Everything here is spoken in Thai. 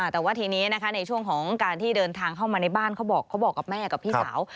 แต่ว่าทีนี้ในช่วงของการที่เดินทางเข้ามาในบ้านเขาบอกกับแม่กับพี่สาว